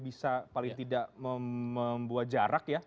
bisa paling tidak membuat jarak ya